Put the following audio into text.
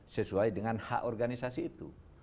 sesuai dengan hak organisasi itu